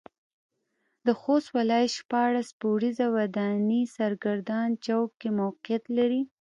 د خوست ولايت شپاړس پوړيزه وداني سرګردان چوک کې موقعيت لري.